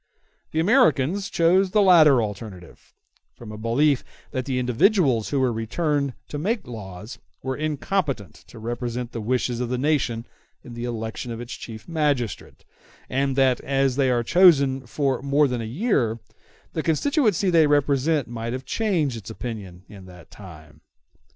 The Americans chose the latter alternative, from a belief that the individuals who were returned to make the laws were incompetent to represent the wishes of the nation in the election of its chief magistrate; and that, as they are chosen for more than a year, the constituency they represent might have changed its opinion in that time.